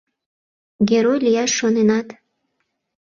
— Герой лияш шоненат.